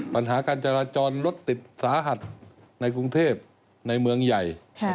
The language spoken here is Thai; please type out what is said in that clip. ปัญหาการจราจรรถติดสาหัสในกรุงเทพในเมืองใหญ่